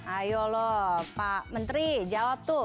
ayo loh pak menteri jawab tuh